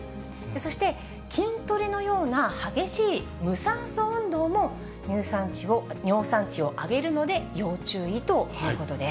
そして、筋トレのような激しい無酸素運動も、尿酸値を上げるので、要注意ということです。